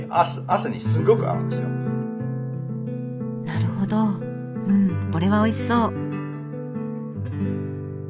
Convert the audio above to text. なるほどうんこれはおいしそう。